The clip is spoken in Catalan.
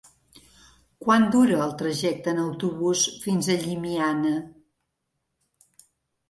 Quant dura el trajecte en autobús fins a Llimiana?